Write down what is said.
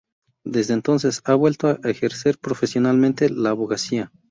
Desde entonces ha vuelto a ejercer profesionalmente la abogacía.